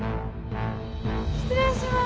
失礼します。